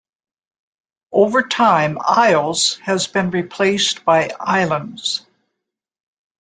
Over time "Isles" has been replaced by "Islands".